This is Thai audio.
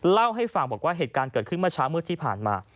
เล่าให้ฟังบอกว่าเหตุการณ์เกิดขึ้นเมื่อเช้ามืดที่ผ่านมา